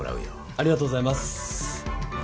ありがとうございます。